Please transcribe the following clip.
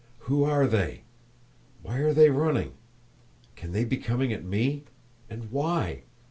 "Who are they? Why are they running? Can they be coming at me? And why?